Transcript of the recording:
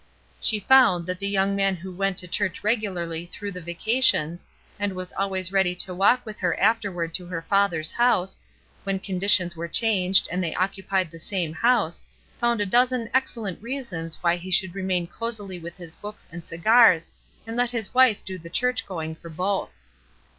She found that the young man who went to church regularly through the vacations, and was always ready to walk with her afterward to her father's house, when conditions were changed and they occupied the same house, foimd a dozen excellent reasons why he should remain cosily with his books and cigars and let his wife do the church going for both.